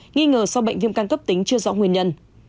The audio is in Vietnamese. nghi ngờ sau bệnh viêm căn cấp tính chưa rõ nguyên nhân